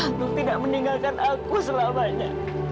untuk tidak meninggalkan aku selamanya